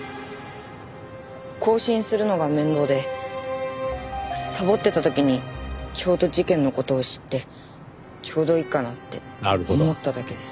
更新するのが面倒でサボってた時にちょうど事件の事を知ってちょうどいいかなって思っただけです。